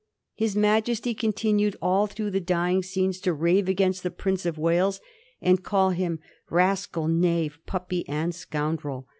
His Majesty continued all through the dying scenes to rave against the Prince of Wales, and call him rascal^ knave, puppy, and scoundrel.